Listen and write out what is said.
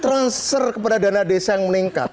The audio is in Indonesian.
transfer kepada dana desa yang meningkat